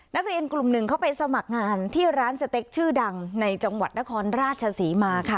นักเรียนกลุ่มหนึ่งเขาไปสมัครงานที่ร้านสเต็กชื่อดังในจังหวัดนครราชศรีมาค่ะ